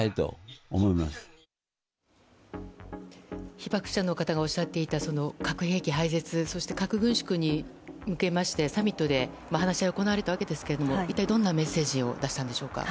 被爆者の方がおっしゃっていた核兵器廃絶そして核軍縮に向けましてサミットで話し合いが行われたわけですが一体どんなメッセージを出したんでしょうか？